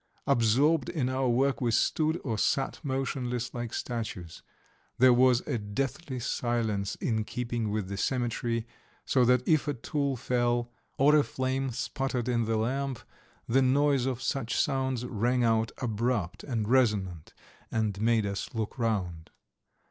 Absorbed in our work we stood or sat motionless like statues; there was a deathly silence in keeping with the cemetery, so that if a tool fell, or a flame spluttered in the lamp, the noise of such sounds rang out abrupt and resonant, and made us look round.